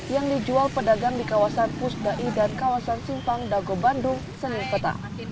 yang dijual pedagang di kawasan pusdai dan kawasan simpang dago bandung senin peta